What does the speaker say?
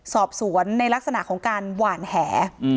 สอบสวนในลักษณะของการหวานแห